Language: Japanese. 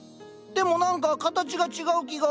でも何か形が違う気が。